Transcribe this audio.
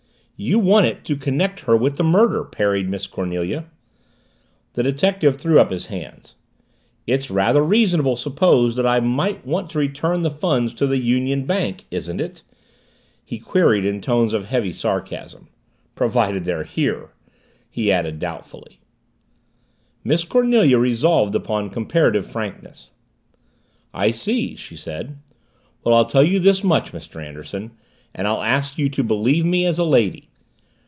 "You want it to connect her with the murder," parried Miss Cornelia. The detective threw up his hands. "It's rather reasonable to suppose that I might want to return the funds to the Union Bank, isn't it?" he queried in tones of heavy sarcasm. "Provided they're here," he added doubtfully. Miss Cornelia resolved upon comparative frankness. "I see," she said. "Well, I'll tell you this much, Mr. Anderson, and I'll ask you to believe me as a lady.